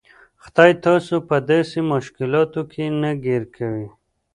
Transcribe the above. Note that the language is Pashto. خدای تاسو په داسې مشکلاتو کې نه ګیر کوي.